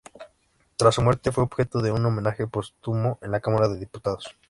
Tras su muerte, fue objeto de un homenaje póstumo en la Cámara de Diputados.